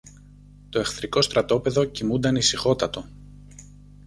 Το εχθρικό στρατόπεδο κοιμούνταν ησυχότατο.